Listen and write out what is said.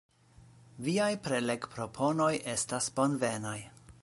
Viaj prelegproponoj estas bonvenaj.